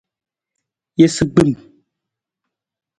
Isagbim.